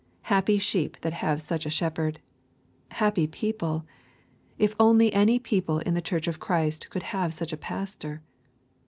Happy sheep that have such a shepherd! Happy people! if only any people in the Church of Christ could have such a pastor.